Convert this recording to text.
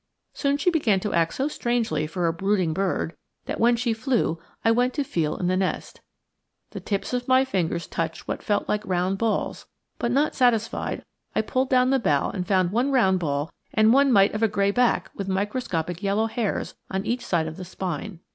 Soon she began to act so strangely for a brooding bird that, when she flew, I went to feel in the nest. The tips of my fingers touched what felt like round balls, but, not satisfied, I pulled down the bough and found one round ball and one mite of a gray back with microscopic yellow hairs on each side of the spine.